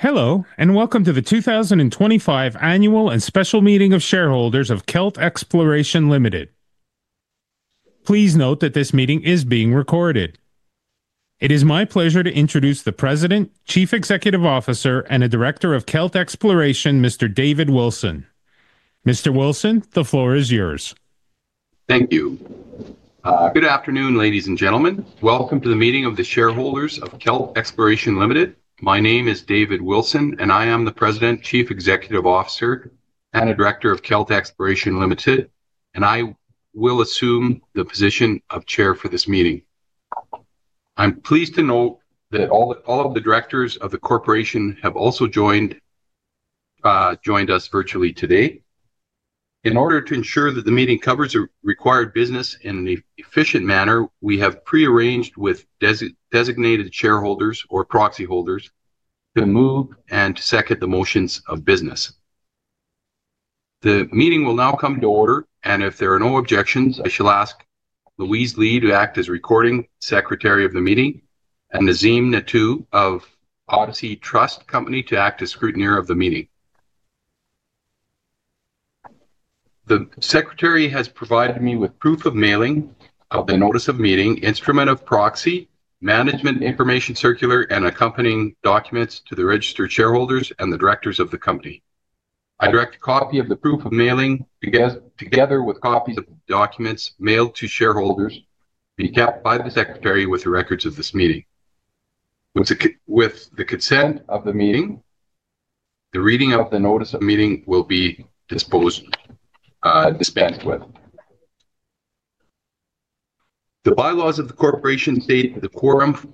Hello, and welcome to the 2025 Annual and Special Meeting of Shareholders of Kelt Exploration Ltd. Please note that this meeting is being recorded. It is my pleasure to introduce the President, Chief Executive Officer, and Director of Kelt Exploration Ltd., Mr. David J. Wilson. Mr. Wilson, the floor is yours. Thank you. Good afternoon, ladies and gentlemen. Welcome to the meeting of the shareholders of Kelt Exploration Ltd. My name is David J. Wilson, and I am the President, Chief Executive Officer, and Director of Kelt Exploration Ltd., and I will assume the position of Chair for this meeting. I'm pleased to note that all of the directors of the corporation have also joined us virtually today. In order to ensure that the meeting covers the required business in an efficient manner, we have prearranged with designated shareholders or proxy holders to move and to second the motions of business. The meeting will now come to order, and if there are no objections, I shall ask Louise Lee to act as Recording Secretary of the meeting, and Nazim Nathoo of Odyssey Trust Company to act as Scrutineer of the meeting. The Secretary has provided me with proof of mailing of the Notice of Meeting, instrument of proxy, management information circular, and accompanying documents to the registered shareholders and the directors of the company. I direct a copy of the proof of mailing together with copies of the documents mailed to shareholders be kept by the Secretary with the records of this meeting. With the consent of the meeting, the reading of the Notice of Meeting will be disposed with. The bylaws of the corporation state that the quorum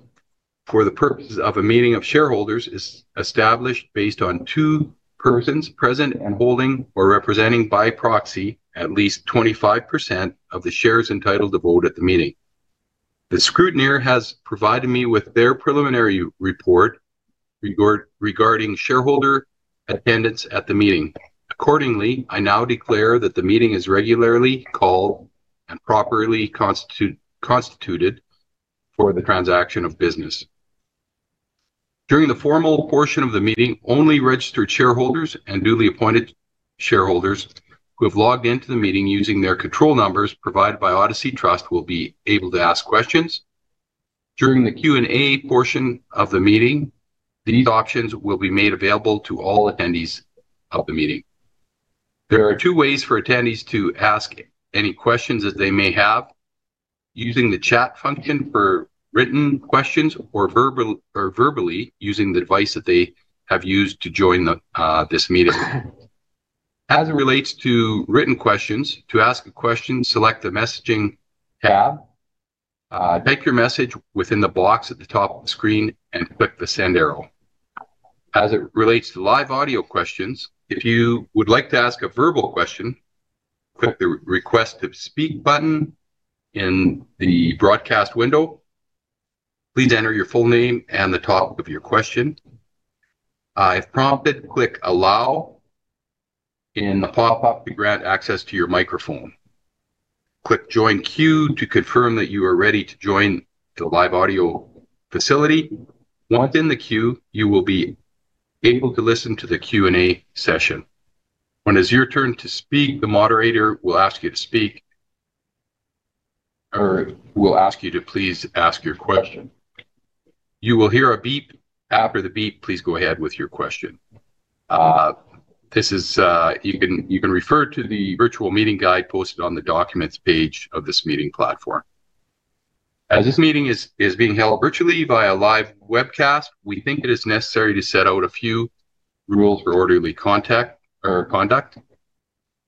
for the purposes of a meeting of shareholders is established based on two persons present and holding or representing by proxy at least 25% of the shares entitled to vote at the meeting. The scrutineer has provided me with their preliminary report regarding shareholder attendance at the meeting. Accordingly, I now declare that the meeting is regularly called and properly constituted for the transaction of business. During the formal portion of the meeting, only registered shareholders and duly appointed shareholders who have logged into the meeting using their control numbers provided by Odyssey Trust will be able to ask questions. During the Q&A portion of the meeting, these options will be made available to all attendees of the meeting. There are two ways for attendees to ask any questions that they may have: using the chat function for written questions or verbally using the device that they have used to join this meeting. As it relates to written questions, to ask a question, select the Messaging tab, type your message within the box at the top of the screen, and click the Send arrow. As it relates to live audio questions, if you would like to ask a verbal question, click the Request to Speak button in the broadcast window. Please enter your full name and the topic of your question. If prompted, click Allow in the pop-up to grant access to your microphone. Click Join Queue to confirm that you are ready to join the live audio facility. Once in the queue, you will be able to listen to the Q&A session. When it is your turn to speak, the moderator will ask you to speak or will ask you to please ask your question. You will hear a beep. After the beep, please go ahead with your question. You can refer to the virtual meeting guide posted on the Documents page of this meeting platform. As this meeting is being held virtually via live webcast, we think it is necessary to set out a few rules for orderly conduct.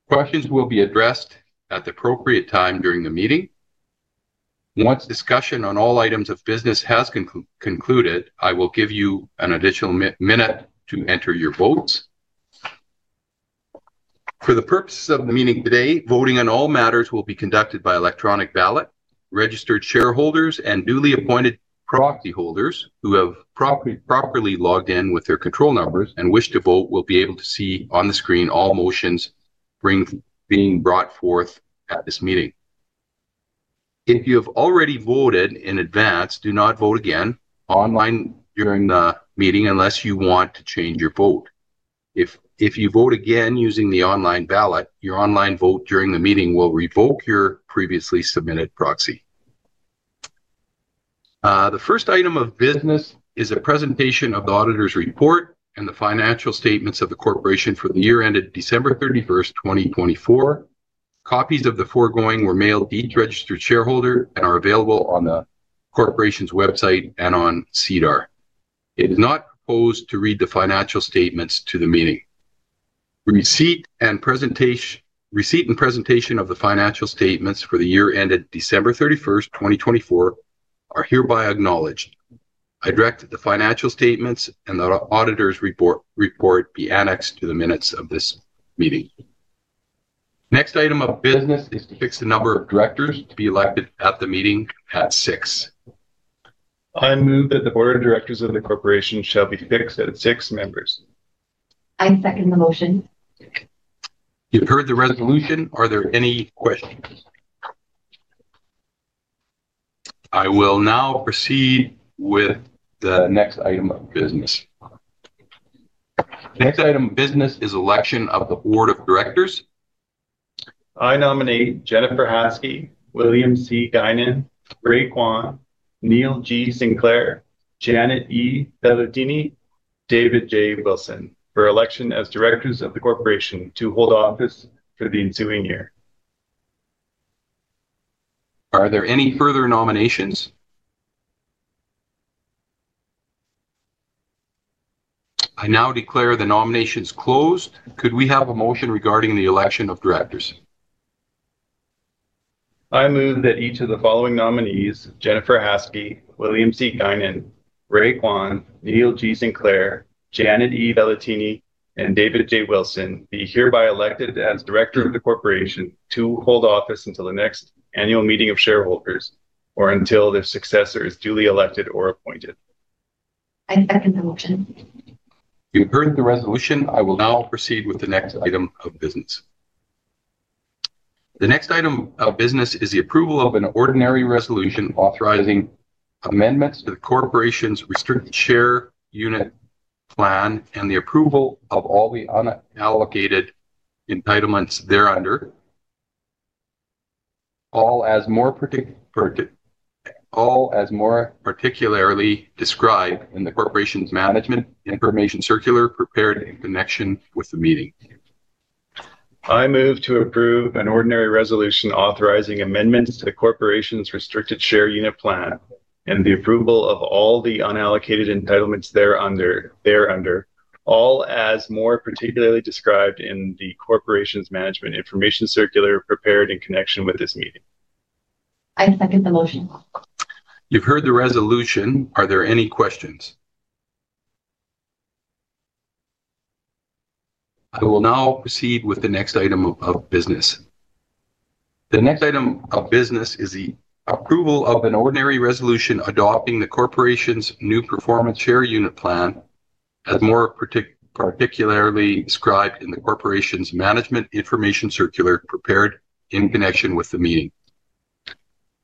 Questions will be addressed at the appropriate time during the meeting. Once discussion on all items of business has concluded, I will give you an additional minute to enter your votes. For the purposes of the meeting today, voting on all matters will be conducted by electronic ballot. Registered shareholders and duly appointed proxy holders who have properly logged in with their control numbers and wish to vote will be able to see on the screen all motions being brought forth at this meeting. If you have already voted in advance, do not vote again online during the meeting unless you want to change your vote. If you vote again using the online ballot, your online vote during the meeting will revoke your previously submitted proxy. The first item of business is a presentation of the auditor's report and the financial statements of the corporation for the year ended December 31, 2024. Copies of the foregoing were mailed to each registered shareholder and are available on the corporation's website and on SEDAR. It is not proposed to read the financial statements to the meeting. Receipt and presentation of the financial statements for the year ended December 31, 2024, are hereby acknowledged. I direct that the financial statements and the auditor's report be annexed to the minutes of this meeting. Next item of business is to fix the number of directors to be elected at the meeting at six. I move that the board of directors of the corporation shall be fixed at six members. I second the motion. You've heard the resolution. Are there any questions? I will now proceed with the next item of business. The next item of business is election of the board of directors. I nominate Jennifer Haskey, William C. Guinan, Ray Kwan, Neil G. Sinclair, Janet E. Vellutini, David J. Wilson for election as directors of the corporation to hold office for the ensuing year. Are there any further nominations? I now declare the nominations closed. Could we have a motion regarding the election of directors? I move that each of the following nominees, Jennifer Haskey, William C. Guinan, Ray Kwan, Neil G. Sinclair, Janet E. Vellutini, and David J. Wilson, be hereby elected as director of the corporation to hold office until the next annual meeting of shareholders or until their successor is duly elected or appointed. I second the motion. You've heard the resolution. I will now proceed with the next item of business. The next item of business is the approval of an ordinary resolution authorizing amendments to the corporation's restricted share unit plan and the approval of all the unallocated entitlements thereunder, all as more particularly described in the corporation's management information circular prepared in connection with the meeting. I move to approve an ordinary resolution authorizing amendments to the corporation's restricted share unit plan and the approval of all the unallocated entitlements thereunder, all as more particularly described in the corporation's management information circular prepared in connection with this meeting. I second the motion. You've heard the resolution. Are there any questions? I will now proceed with the next item of business. The next item of business is the approval of an ordinary resolution adopting the corporation's new performance share unit plan as more particularly described in the corporation's management information circular prepared in connection with the meeting.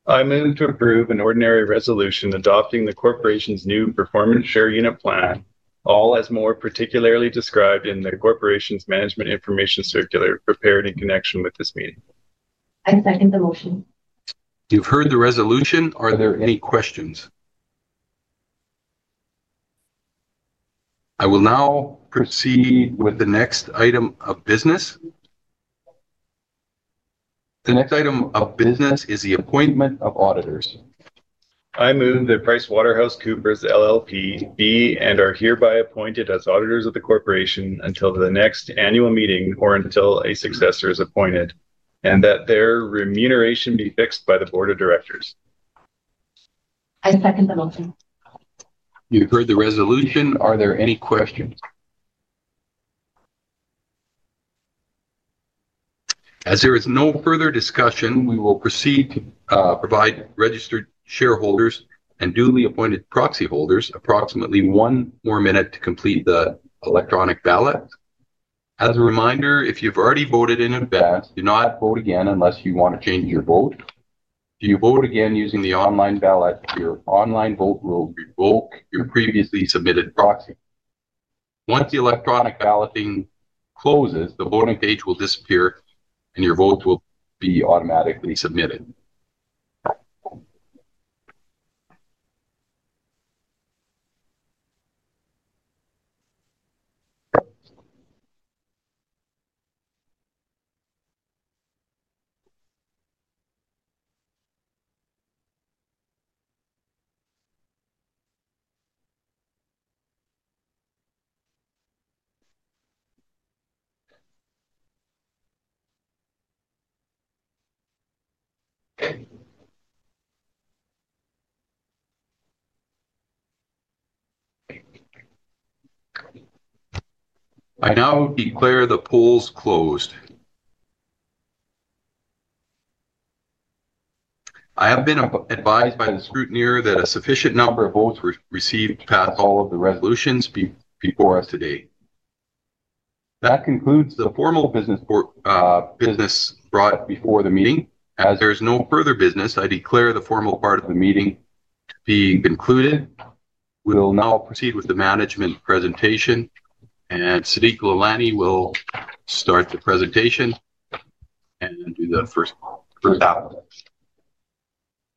I move to approve an ordinary resolution adopting the corporation's new performance share unit plan, all as more particularly described in the corporation's management information circular prepared in connection with this meeting. I second the motion. You've heard the resolution. Are there any questions? I will now proceed with the next item of business. The next item of business is the appointment of auditors. I move that PricewaterhouseCoopers LLP be and are hereby appointed as auditors of the corporation until the next annual meeting or until a successor is appointed, and that their remuneration be fixed by the board of directors. I second the motion. You've heard the resolution. Are there any questions? As there is no further discussion, we will proceed to provide registered shareholders and duly appointed proxy holders approximately one more minute to complete the electronic ballot. As a reminder, if you've already voted in advance, do not vote again unless you want to change your vote. If you vote again using the online ballot, your online vote will revoke your previously submitted proxy. Once the electronic balloting closes, the voting page will disappear, and your votes will be automatically submitted. I now declare the polls closed. I have been advised by the scrutineer that a sufficient number of votes were received to pass all of the resolutions before us today. That concludes the formal business brought before the meeting. As there is no further business, I declare the formal part of the meeting to be concluded. We'll now proceed with the management presentation, and Sadiq Lalani will start the presentation and do the first application.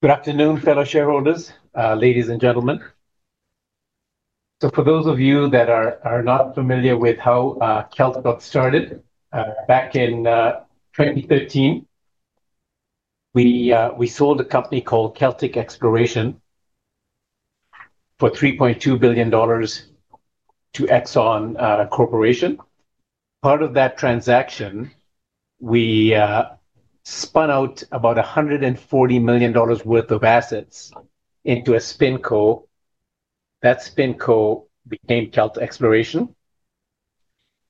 Good afternoon, fellow shareholders, ladies and gentlemen. For those of you that are not familiar with how Kelt got started, back in 2013, we sold a company called Kelt Exploration for $3.2 billion to Exxon Corporation. Part of that transaction, we spun out about 140 million dollars worth of assets into a spin co. That spin co became Kelt Exploration.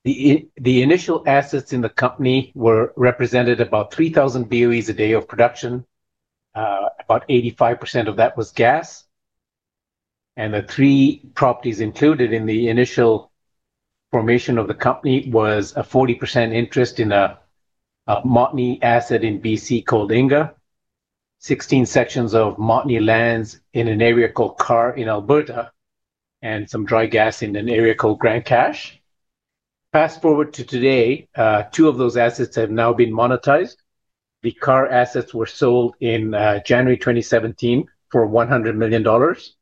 The initial assets in the company represented about 3,000 BOEs a day of production. About 85% of that was gas. The three properties included in the initial formation of the company were a 40% interest in a Montney asset in British Columbia called Inga, 16 sections of Montney lands in an area called Karr in Alberta, and some dry gas in an area called Grande Cache. Fast forward to today, two of those assets have now been monetized. The CARR assets were sold in January 2017 for 100 million dollars.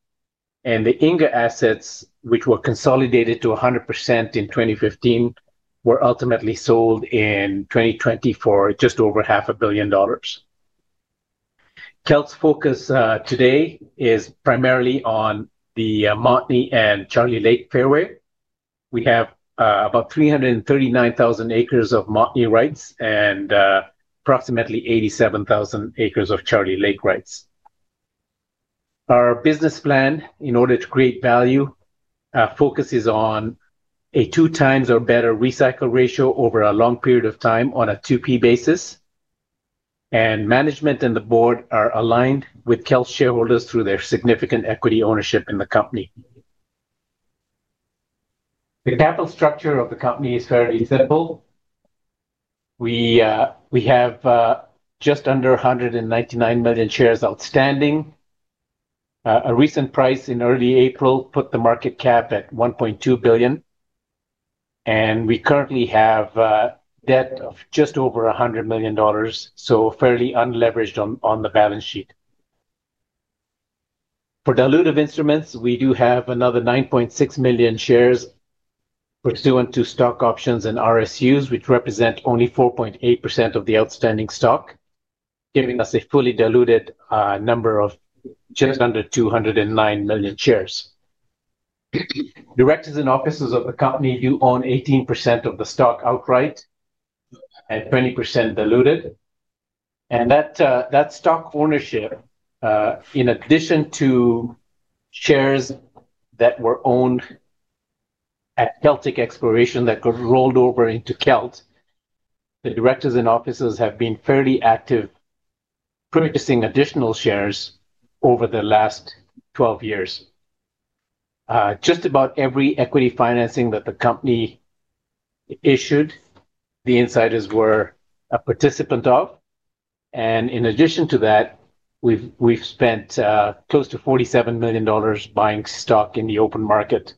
The Inga assets, which were consolidated to 100% in 2015, were ultimately sold in 2020 for just over $0.5 billion. Kelt's focus today is primarily on the Montney and Charlie Lake Fairway. We have about 339,000 acres of Montney rights and approximately 87,000 acres of Charlie Lake rights. Our business plan, in order to create value, focuses on a 2x or better recycle ratio over a long period of time on a 2P basis. Management and the board are aligned with Kelt shareholders through their significant equity ownership in the company. The capital structure of the company is fairly simple. We have just under 199 million shares outstanding. A recent price in early April put the market cap at 1.2 billion. We currently have debt of just over $100 million, so fairly unleveraged on the balance sheet. For dilutive instruments, we do have another 9.6 million shares pursuant to stock options and RSUs, which represent only 4.8% of the outstanding stock, giving us a fully diluted number of just under 209 million shares. Directors and officers of the company do own 18% of the stock outright and 20% diluted. That stock ownership, in addition to shares that were owned at Kelt Exploration that got rolled over into Kelt, the directors and officers have been fairly active purchasing additional shares over the last 12 years. Just about every equity financing that the company issued, the insiders were a participant of. In addition to that, we've spent close to 47 million dollars buying stock in the open market.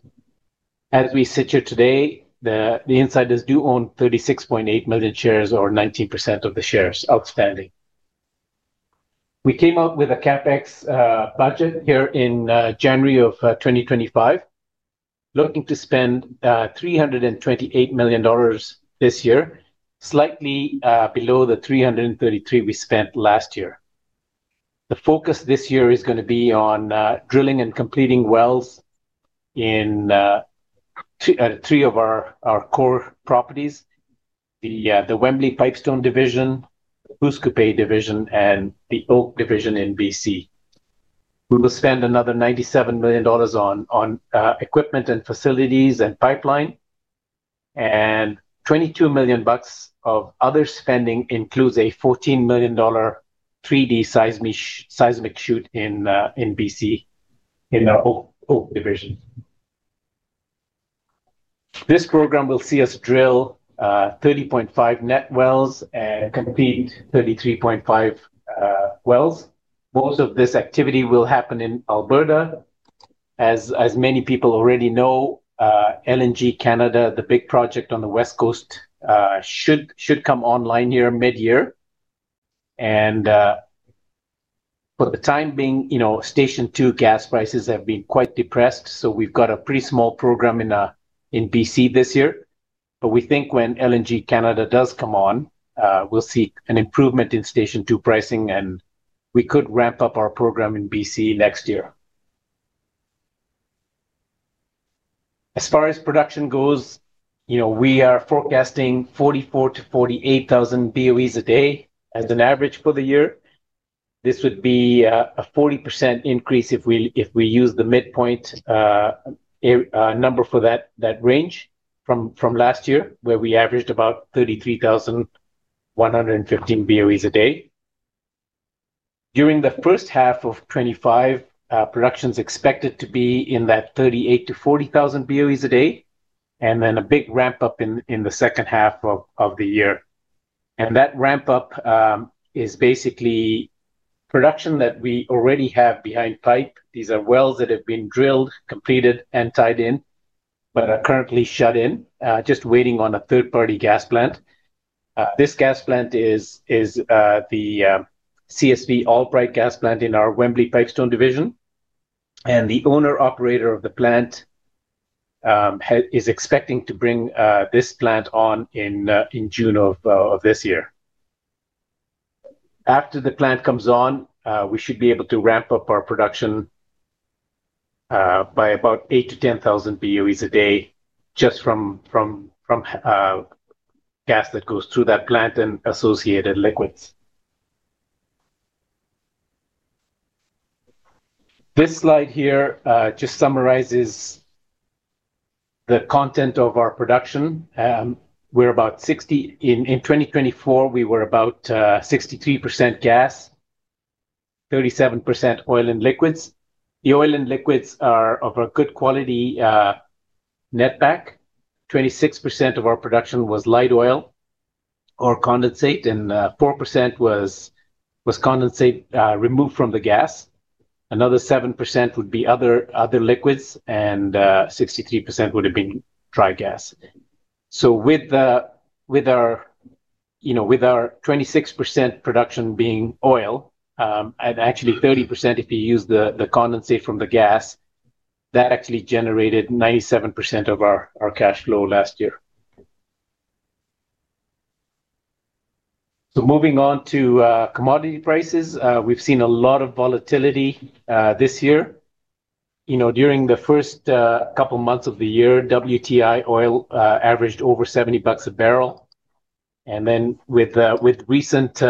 As we sit here today, the insiders do own 36.8 million shares or 19% of the shares outstanding. We came up with a CapEx budget here in January of 2025, looking to spend 328 million dollars this year, slightly below the 333 million we spent last year. The focus this year is going to be on drilling and completing wells in three of our core properties: the Wembley Pipestone Division, the Pouce Coupe Division, and the Oak Division in BC. We will spend another 97 million dollars on equipment and facilities and pipeline. 22 million bucks of other spending includes a 14 million dollar 3D seismic shoot in BC in the Oak Division. This program will see us drill 30.5 net wells and complete 33.5 wells. Most of this activity will happen in Alberta. As many people already know, LNG Canada, the big project on the West Coast, should come online here mid-year. For the time being, Station 2 gas prices have been quite depressed, so we've got a pretty small program in BC this year. We think when LNG Canada does come on, we'll see an improvement in Station 2 pricing, and we could ramp up our program in BC next year. As far as production goes, we are forecasting 44,000-48,000 BOEs a day as an average for the year. This would be a 40% increase if we use the midpoint number for that range from last year, where we averaged about 33,115 BOEs a day. During the first half of 2025, production is expected to be in that 38,000-40,000 BOEs a day, and then a big ramp up in the second half of the year. That ramp up is basically production that we already have behind pipe. These are wells that have been drilled, completed, and tied in, but are currently shut in, just waiting on a third-party gas plant. This gas plant is the CSV Midstream Solutions Corp. Albright Gas Plant in our Wembley Pipestone division. The owner-operator of the plant is expecting to bring this plant on in June of this year. After the plant comes on, we should be able to ramp up our production by about 8,000-10,000 BOEs a day just from gas that goes through that plant and associated liquids. This slide here just summarizes the content of our production. In 2024, we were about 63% gas, 37% oil and liquids. The oil and liquids are of a good quality netback. 26% of our production was light oil or condensate, and 4% was condensate removed from the gas. Another 7% would be other liquids, and 63% would have been dry gas. With our 26% production being oil, and actually 30% if you use the condensate from the gas, that actually generated 97% of our cash flow last year. Moving on to commodity prices, we've seen a lot of volatility this year. During the first couple of months of the year, WTI oil averaged over $70 a barrel. With recent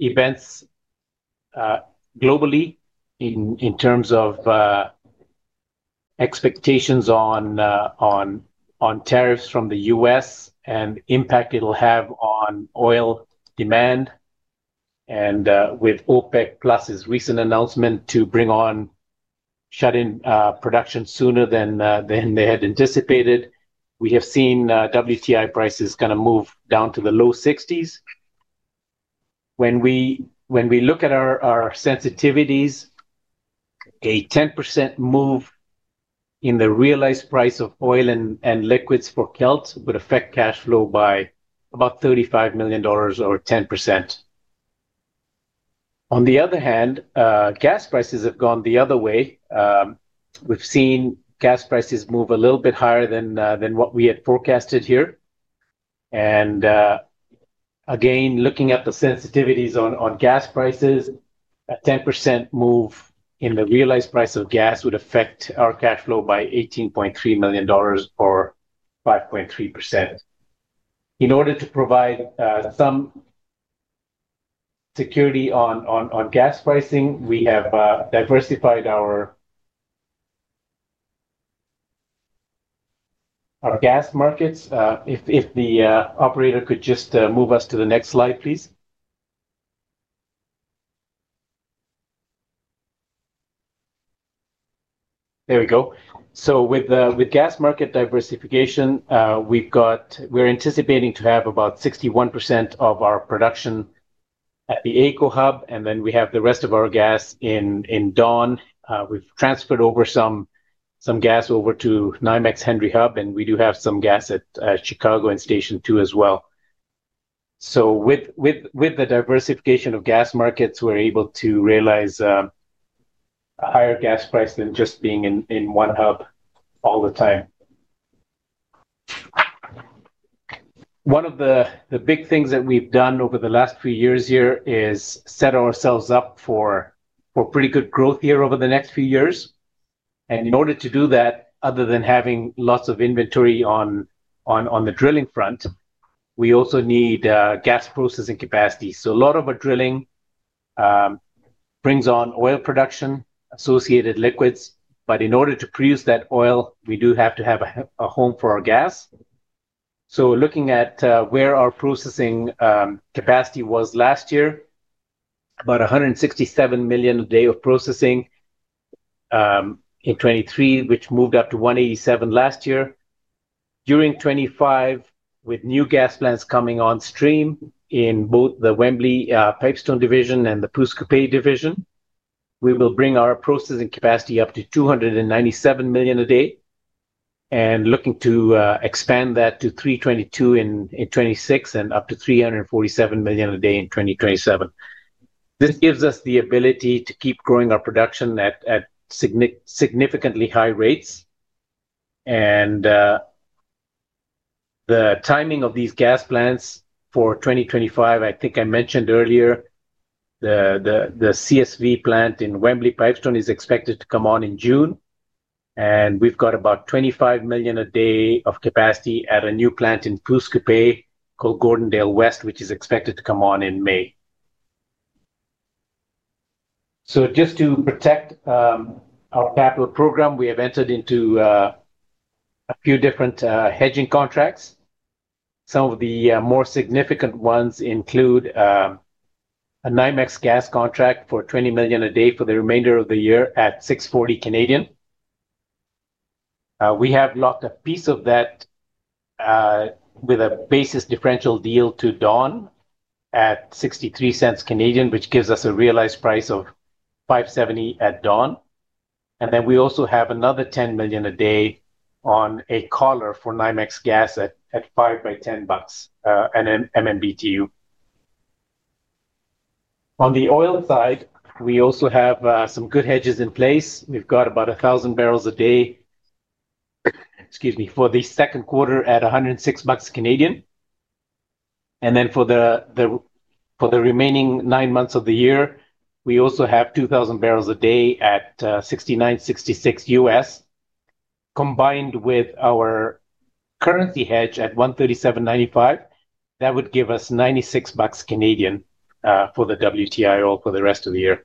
events globally in terms of expectations on tariffs from the U.S. and the impact it'll have on oil demand, and with OPEC Plus's recent announcement to bring on shut-in production sooner than they had anticipated, we have seen WTI prices kind of move down to the low $60s. When we look at our sensitivities, a 10% move in the realized price of oil and liquids for Kelt would affect cash flow by about 35 million dollars or 10%. On the other hand, gas prices have gone the other way. We've seen gas prices move a little bit higher than what we had forecasted here. Again, looking at the sensitivities on gas prices, a 10% move in the realized price of gas would affect our cash flow by 18.3 million dollars or 5.3%. In order to provide some security on gas pricing, we have diversified our gas markets. If the operator could just move us to the next slide, please. There we go. With gas market diversification, we're anticipating to have about 61% of our production at the AECO Hub, and then we have the rest of our gas in Dawn. We've transferred over some gas over to NYMEX Henry Hub, and we do have some gas at Chicago and Station 2 as well. With the diversification of gas markets, we're able to realize a higher gas price than just being in one hub all the time. One of the big things that we've done over the last few years here is set ourselves up for pretty good growth here over the next few years. In order to do that, other than having lots of inventory on the drilling front, we also need gas processing capacity. A lot of our drilling brings on oil production, associated liquids. In order to produce that oil, we do have to have a home for our gas. Looking at where our processing capacity was last year, about 167 million a day of processing in 2023, which moved up to 187 last year. During 2025, with new gas plants coming on stream in both the Wembley Pipestone Division and the Pouce Coupe Division, we will bring our processing capacity up to 297 million a day and looking to expand that to 322 in 2026 and up to 347 million a day in 2027. This gives us the ability to keep growing our production at significantly high rates. The timing of these gas plants for 2025, I think I mentioned earlier, the CSV plant in Wembley Pipestone is expected to come on in June. We have about 25 million a day of capacity at a new plant in Pouce Coupe called Gordondale West, which is expected to come on in May. Just to protect our capital program, we have entered into a few different hedging contracts. Some of the more significant ones include a NYMEX gas contract for 20 million a day for the remainder of the year at 6.40. We have locked a piece of that with a basis differential deal to Dawn at 0.63, which gives us a realized price of 5.70 at Dawn. We also have another 10 million a day on a collar for NYMEX gas at $5 by $10 and MMBTU. On the oil side, we also have some good hedges in place. We have about 1,000 barrels a day, excuse me, for the second quarter at 106 bucks. For the remaining nine months of the year, we also have 2,000 barrels a day at $69.66 combined with our currency hedge at 1.3795. That would give us 96 bucks for the WTI oil for the rest of the year.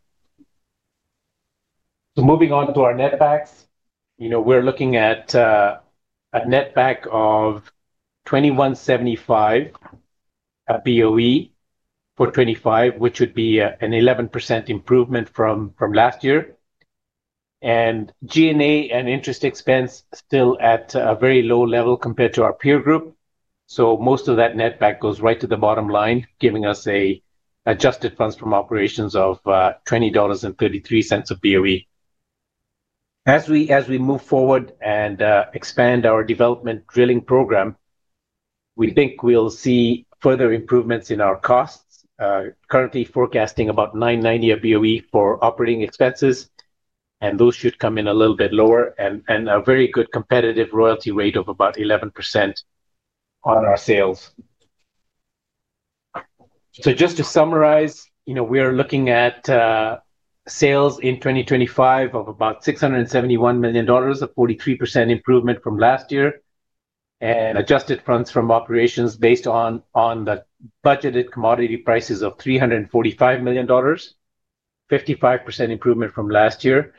Moving on to our net packs, we're looking at a net pack of 2,175 BOE for 2025, which would be an 11% improvement from last year. G&A and interest expense are still at a very low level compared to our peer group. Most of that net pack goes right to the bottom line, giving us adjusted funds from operations of 20.33 dollars per BOE. As we move forward and expand our development drilling program, we think we'll see further improvements in our costs, currently forecasting about 9.90 per BOE for operating expenses, and those should come in a little bit lower and a very good competitive royalty rate of about 11% on our sales. Just to summarize, we are looking at sales in 2025 of about 671 million dollars, a 43% improvement from last year, and adjusted funds from operations based on the budgeted commodity prices of 345 million dollars, 55% improvement from last year.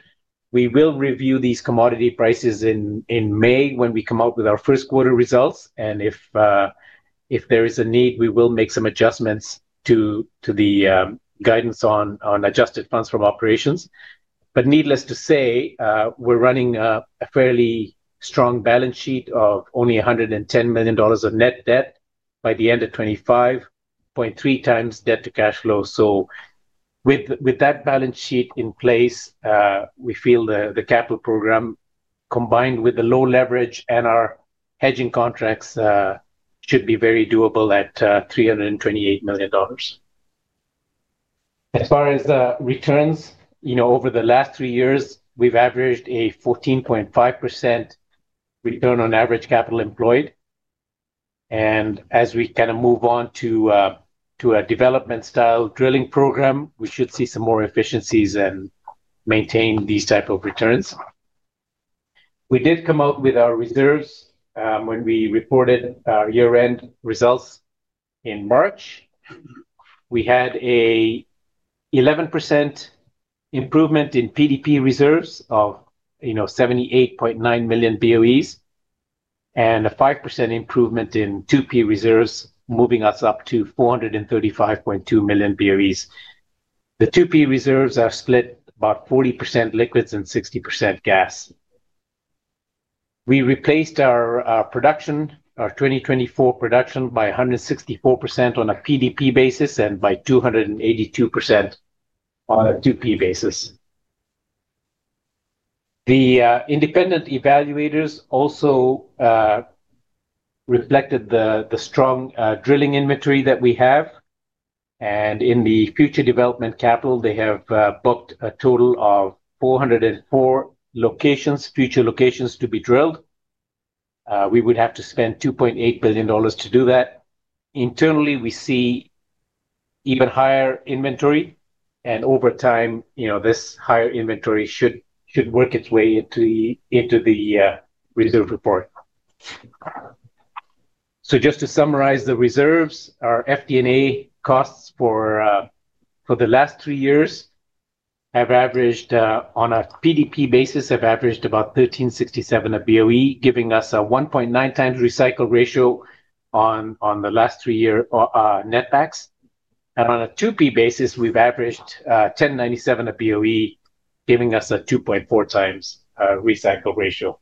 We will review these commodity prices in May when we come out with our first quarter results. If there is a need, we will make some adjustments to the guidance on adjusted funds from operations. Needless to say, we're running a fairly strong balance sheet of only 110 million dollars of net debt by the end of 2025, 0.3 times debt to cash flow. With that balance sheet in place, we feel the capital program combined with the low leverage and our hedging contracts should be very doable at 328 million dollars. As far as returns, over the last three years, we've averaged a 14.5% return on average capital employed. As we kind of move on to a development-style drilling program, we should see some more efficiencies and maintain these types of returns. We did come out with our reserves when we reported our year-end results in March. We had an 11% improvement in PDP reserves of 78.9 million BOEs and a 5% improvement in 2P reserves, moving us up to 435.2 million BOEs. The 2P reserves are split about 40% liquids and 60% gas. We replaced our production, our 2024 production, by 164% on a PDP basis and by 282% on a 2P basis. The independent evaluators also reflected the strong drilling inventory that we have. In the future development capital, they have booked a total of 404 locations, future locations to be drilled. We would have to spend 2.8 billion dollars to do that. Internally, we see even higher inventory. Over time, this higher inventory should work its way into the reserve report. Just to summarize the reserves, our FD&A costs for the last three years have averaged, on a PDP basis, about 1,367 a BOE, giving us a 1.9 times recycle ratio on the last three-year net packs. On a 2P basis, we have averaged 1,097 a BOE, giving us a 2.4 times recycle ratio.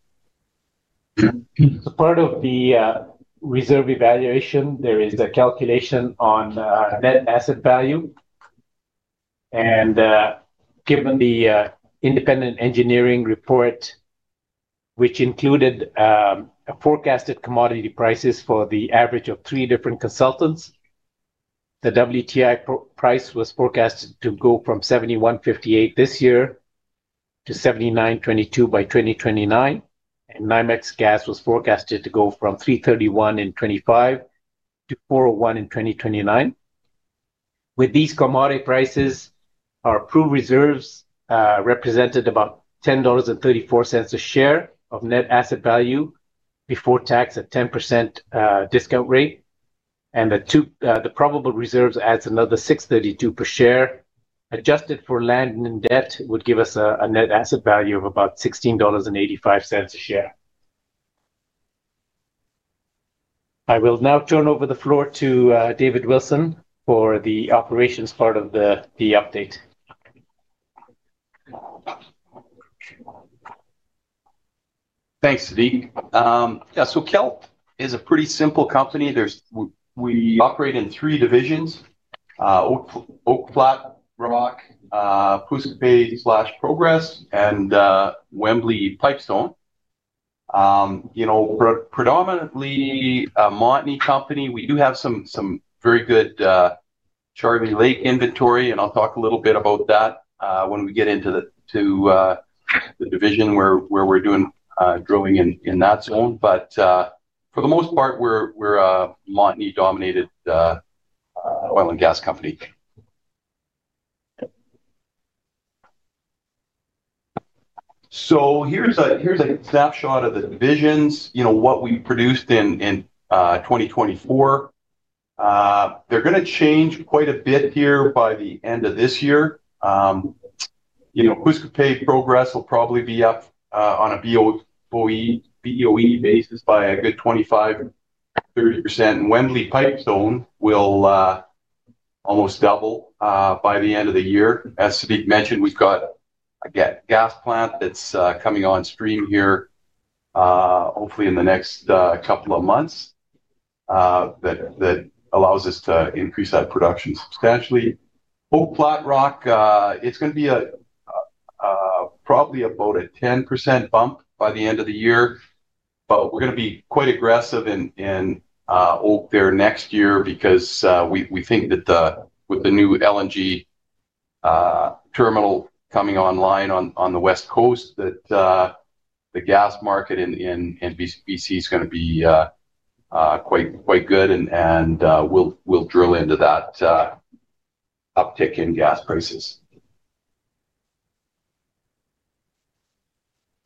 As part of the reserve evaluation, there is a calculation on net asset value. Given the independent engineering report, which included forecasted commodity prices for the average of three different consultants, the WTI price was forecasted to go from $71.58 this year to $79.22 by 2029. NYMEX gas was forecasted to go from $3.3125 to $4.0129. With these commodity prices, our approved reserves represented about 10.34 dollars a share of net asset value before tax at 10% discount rate. The probable reserves add another 6.32 per share. Adjusted for land and debt would give us a net asset value of about 16.85 dollars a share. I will now turn over the floor to David Wilson for the operations part of the update. Thanks, Sadiq. Kelt is a pretty simple company. We operate in three divisions: Oak, Pouce Coupe/Progress, and Wembley Pipestone. Predominantly a Montney company. We do have some very good Charlie Lake inventory, and I'll talk a little bit about that when we get into the division where we're doing drilling in that zone. For the most part, we're a Montney-dominated oil and gas company. Here is a snapshot of the divisions, what we produced in 2024. They're going to change quite a bit here by the end of this year. Pouce Coupe/Progress will probably be up on a BOE basis by a good 25-30%. Wembley Pipestone will almost double by the end of the year. As Sadiq mentioned, we've got a gas plant that's coming on stream here, hopefully in the next couple of months, that allows us to increase that production substantially. Oak, Flatrock, it's going to be probably about a 10% bump by the end of the year. We're going to be quite aggressive in Oak there next year because we think that with the new LNG terminal coming online on the West Coast, the gas market in BC is going to be quite good, and we'll drill into that uptick in gas prices.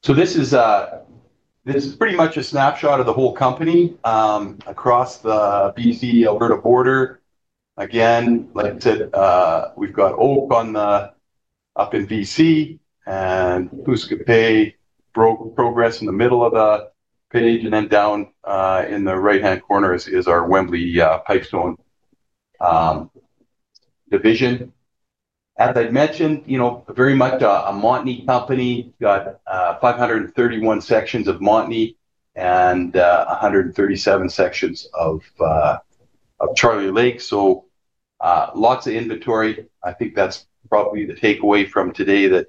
This is pretty much a snapshot of the whole company across the BC/Alberta border. Again, like I said, we've got Oak up in BC and Pouce Coupe/Progress in the middle of the page. Down in the right-hand corner is our Wembley Pipestone division. As I mentioned, very much a Montney company. We've got 531 sections of Montney and 137 sections of Charlie Lake. Lots of inventory. I think that's probably the takeaway from today that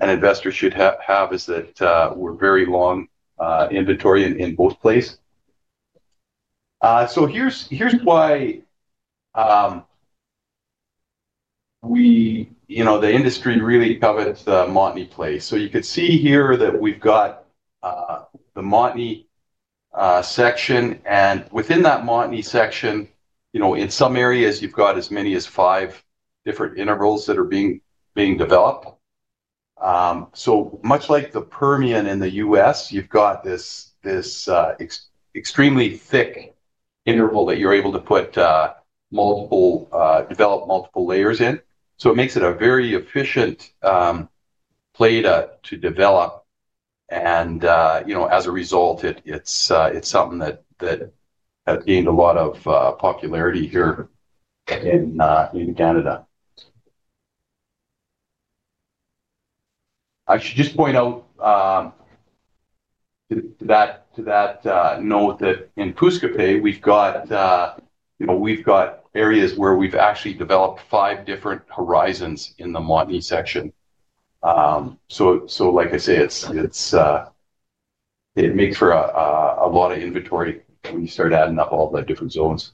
an investor should have is that we're very long inventory in both places. Here's why the industry really covers the Montney place. You could see here that we've got the Montney section. Within that Montney section, in some areas, you've got as many as five different intervals that are being developed. Much like the Permian in the U.S., you've got this extremely thick interval that you're able to develop multiple layers in. It makes it a very efficient play to develop. As a result, it's something that has gained a lot of popularity here in Canada. I should just point out to that note that in Pouce Coupe, we've got areas where we've actually developed five different horizons in the Montney section. Like I say, it makes for a lot of inventory when you start adding up all the different zones.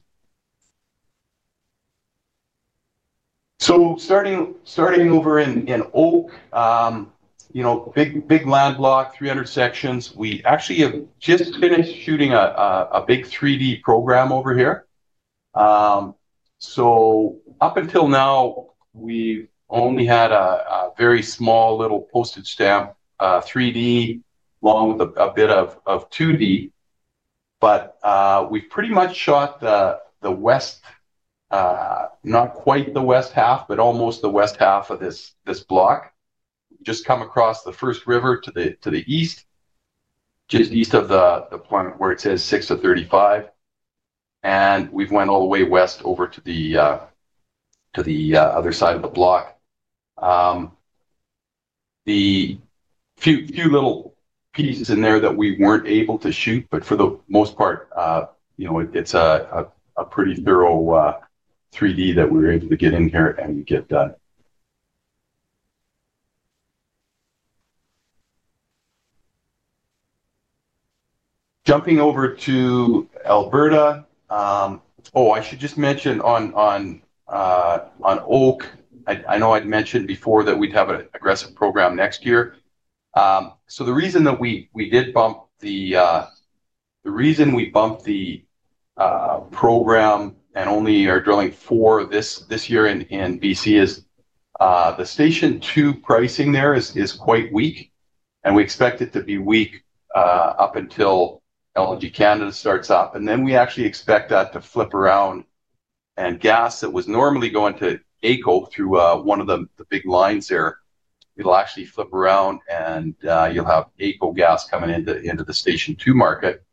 Starting over in Oak, big land block, 300 sections, we actually have just finished shooting a big 3D program over here. Up until now, we've only had a very small little postage stamp 3D along with a bit of 2D. We've pretty much shot the west, not quite the west half, but almost the west half of this block. We just come across the first river to the east, just east of the point where it says 6 of 35. We've went all the way west over to the other side of the block. The few little pieces in there that we weren't able to shoot, but for the most part, it's a pretty thorough 3D that we were able to get in here and get done. Jumping over to Alberta. I should just mention on Oak, I know I'd mentioned before that we'd have an aggressive program next year. The reason that we did bump the program and only are drilling for this year in BC is the station two pricing there is quite weak. We expect it to be weak up until LNG Canada starts up. We actually expect that to flip around. Gas that was normally going to AECO through one of the big lines there, it'll actually flip around and you'll have AECO gas coming into the Station 2 market.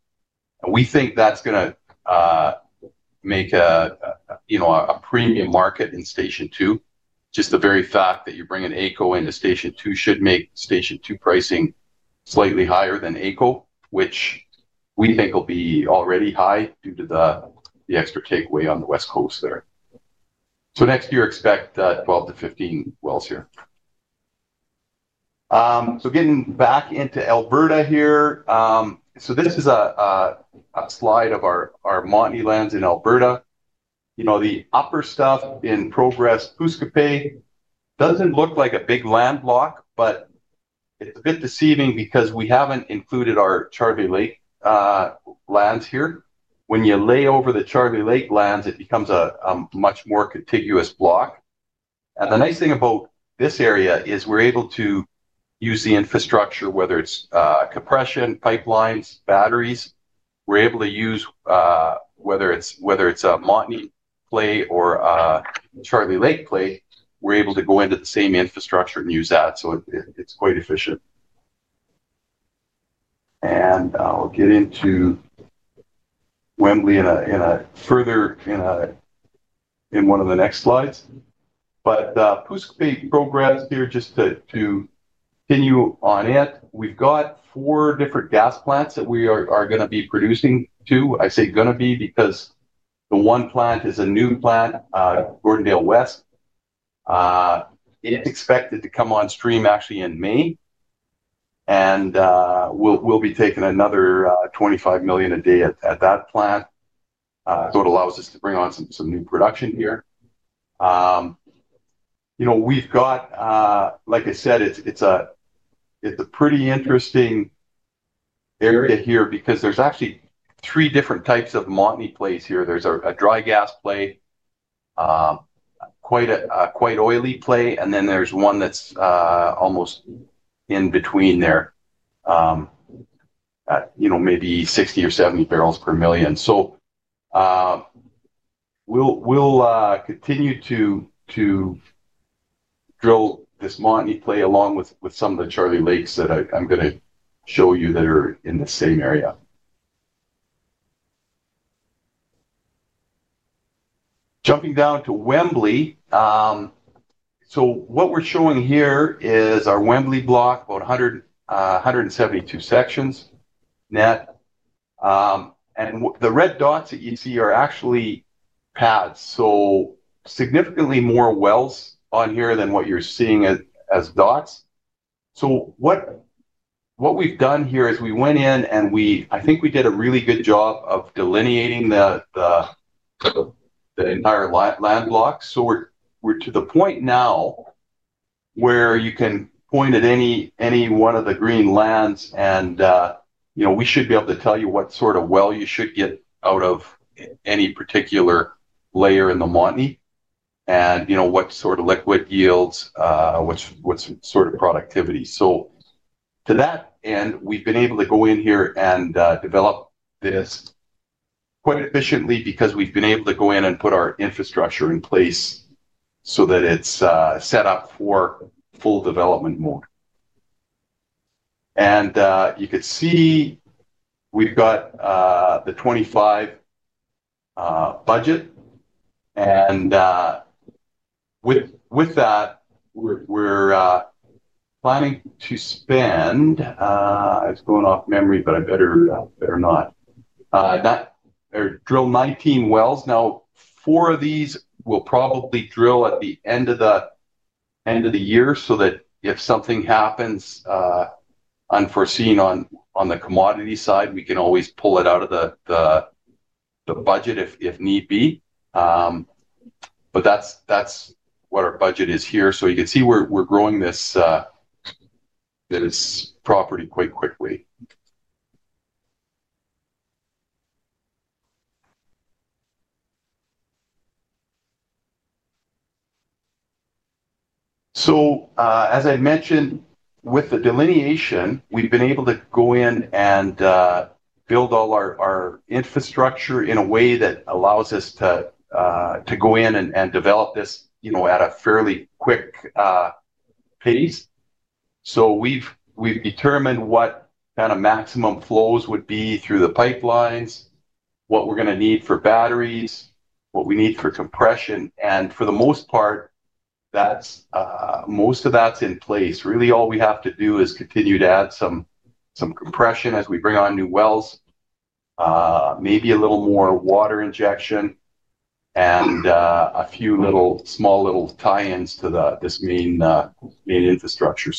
We think that's going to make a premium market in Station 2. Just the very fact that you bring in AECO into Station 2 should make Station 2 pricing slightly higher than AECO, which we think will be already high due to the extra takeaway on the West Coast there. Next year, expect 12-15 wells here. Getting back into Alberta here, this is a slide of our Montney lands in Alberta. The upper stuff in Progress, Pouce Coupe doesn't look like a big land block, but it's a bit deceiving because we haven't included our Charlie Lake lands here. When you lay over the Charlie Lake lands, it becomes a much more contiguous block. The nice thing about this area is we're able to use the infrastructure, whether it's compression pipelines, batteries. We're able to use, whether it's a Montney play or a Charlie Lake play, we're able to go into the same infrastructure and use that. It is quite efficient. I'll get into Wembley further in one of the next slides. Pouce Coupe/Progress here, just to continue on it. We've got four different gas plants that we are going to be producing to. I say going to be because the one plant is a new plant, Gordondale West. It is expected to come on stream actually in May. We'll be taking another 25 million a day at that plant. It allows us to bring on some new production here. We've got, like I said, it's a pretty interesting area here because there's actually three different types of Montney plays here. There's a dry gas play, quite an oily play, and then there's one that's almost in between there, maybe 60 or 70 barrels per million. We'll continue to drill this Montney play along with some of the Charlie Lakes that I'm going to show you that are in the same area. Jumping down to Wembley. What we're showing here is our Wembley block, about 172 sections net. The red dots that you see are actually pads. Significantly more wells on here than what you're seeing as dots. What we've done here is we went in and I think we did a really good job of delineating the entire land block. We're to the point now where you can point at any one of the green lands and we should be able to tell you what sort of well you should get out of any particular layer in the Montney and what sort of liquid yields, what sort of productivity. To that end, we've been able to go in here and develop this quite efficiently because we've been able to go in and put our infrastructure in place so that it's set up for full development mode. You could see we've got the 2025 budget. With that, we're planning to spend, it's going off memory, but I better not, drill 19 wells. Four of these we'll probably drill at the end of the year so that if something happens unforeseen on the commodity side, we can always pull it out of the budget if need be. That is what our budget is here. You can see we are growing this property quite quickly. As I mentioned, with the delineation, we have been able to go in and build all our infrastructure in a way that allows us to go in and develop this at a fairly quick pace. We have determined what kind of maximum flows would be through the pipelines, what we are going to need for batteries, what we need for compression. For the most part, most of that is in place. Really, all we have to do is continue to add some compression as we bring on new wells, maybe a little more water injection, and a few small little tie-ins to this main infrastructure.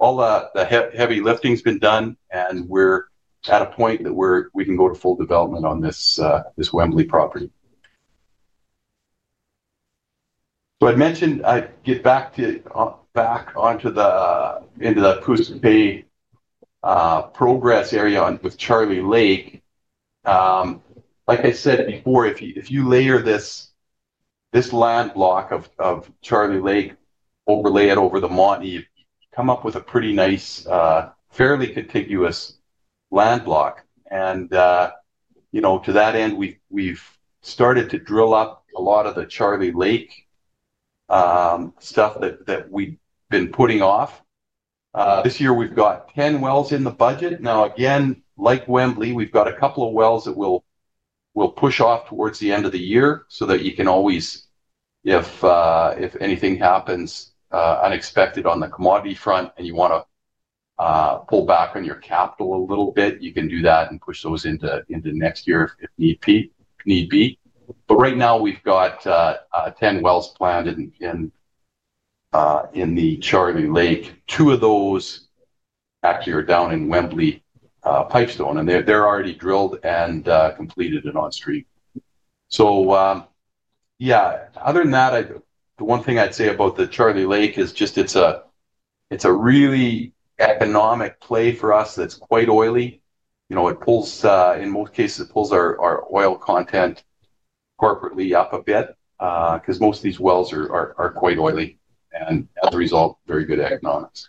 All the heavy lifting has been done, and we are at a point that we can go to full development on this Wembley property. I'd mentioned I'd get back onto the Pouce Coupe/Progress area with Charlie Lake. Like I said before, if you layer this land block of Charlie Lake, overlay it over the Montney, you come up with a pretty nice, fairly contiguous land block. To that end, we've started to drill up a lot of the Charlie Lake stuff that we've been putting off. This year, we've got 10 wells in the budget. Now, again, like Wembley, we've got a couple of wells that we'll push off towards the end of the year so that you can always, if anything happens unexpected on the commodity front and you want to pull back on your capital a little bit, you can do that and push those into next year if need be. Right now, we've got 10 wells planned in the Charlie Lake. Two of those actually are down in Wembley Pipestone, and they're already drilled and completed and on stream. Other than that, the one thing I'd say about the Charlie Lake is just it's a really economic play for us that's quite oily. In most cases, it pulls our oil content corporately up a bit because most of these wells are quite oily. As a result, very good economics.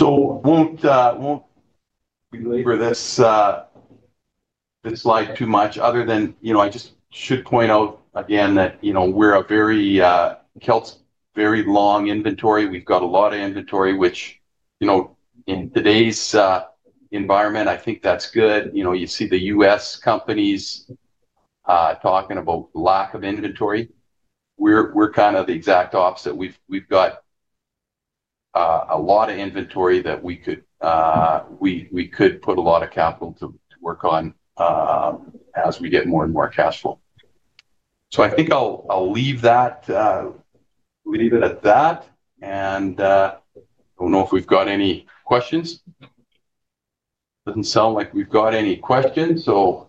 I won't belabor this slide too much other than I just should point out again that Kelt's very long inventory. We've got a lot of inventory, which in today's environment, I think that's good. You see the U.S. companies talking about lack of inventory. We're kind of the exact opposite. We've got a lot of inventory that we could put a lot of capital to work on as we get more and more cash flow. I think I'll leave that. We'll leave it at that. I don't know if we've got any questions. Doesn't sound like we've got any questions. I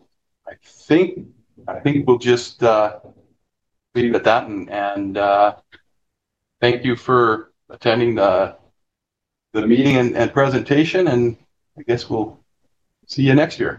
think we'll just leave it at that. Thank you for attending the meeting and presentation. I guess we'll see you next year.